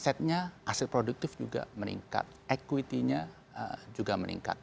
kita lupa melihat bahwa asetnya aset produktif juga meningkat equity nya juga meningkat